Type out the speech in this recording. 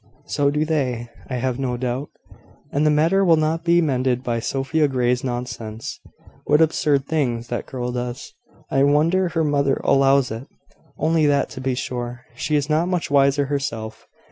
"So do they, I have no doubt." "And the matter will not be mended by Sophia Grey's nonsense. What absurd things that girl does! I wonder her mother allows it, only that, to be sure, she is not much wiser herself.